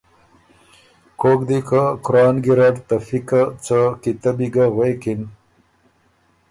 کوک دی که قرآن ګیرډ ته فقه څه کیتبی ګه غوېکِن۔